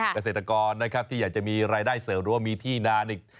กระเศษฐกรที่อยากจะมีรายได้เสวย์รั่วนมีที่นานอีก